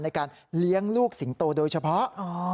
ในการเลี้ยงลูกสิงโตโดยเฉพาะ